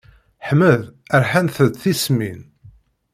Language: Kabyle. Ḥmed rḥant-t tismin.